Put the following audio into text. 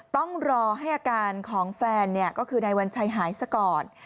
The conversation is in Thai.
ต้องรอให้อาการของแฟนก็คือนายวัญชัยหายซะก่อน